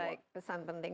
baik pesan penting